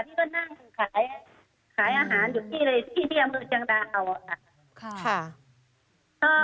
ที่เพื่อนนั่งคือขายอาหารอยู่ที่ที่อำนวยจังดาวอ่ะค่ะ